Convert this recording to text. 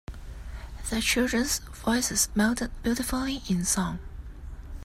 The children’s voices melded beautifully in song.